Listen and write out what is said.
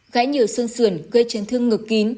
gãy nhiều xương xườn gây chấn thương ngực kín